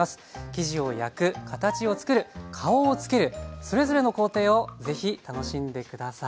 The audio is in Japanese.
生地を焼く形をつくる顔をつけるそれぞれの工程を是非楽しんで下さい。